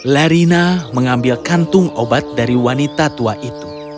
larina mengambil kantung obat dari wanita tua itu